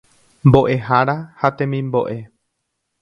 Mbo'ehára ha temimbo'e.